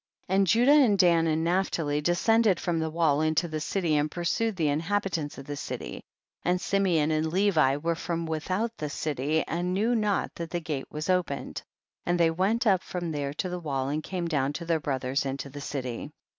49. And Judah and Dan and Naph tali descended from the wall into the city and pursued the inhabitants of the city, and Simeon and Jjcvi were from without the city and knew not that the gate was opened, and they went up from there to the wall and came down to their brothers into the city.